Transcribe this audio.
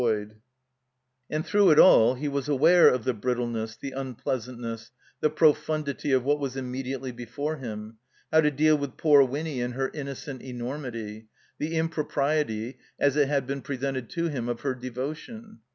277 THE COMBINED MAZE And through it all he was aware of the brittleness, the tinpleasantness, the profundity of what was immediately before him, how to deal with poor Winny and her innocent enormity; the impropriety, as it had been presented to him, of her devotion.